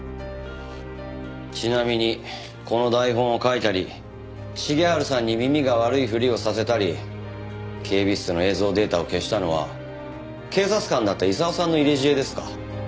ちなみにこの台本を書いたり重治さんに耳が悪いふりをさせたり警備室の映像データを消したのは警察官だった功さんの入れ知恵ですか？